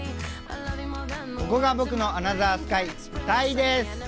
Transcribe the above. ここが僕のアナザースカイタイです！